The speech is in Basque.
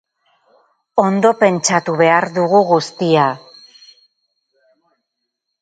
Ondo pentsatu behar dugu guztia.